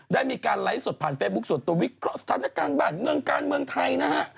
ได้มีการไลฟ์สดผ่านเฟซบุ๊คส่วนตัววิเคราะห์สถานการณ์บ้านเมืองการเมืองไทยนะฮะ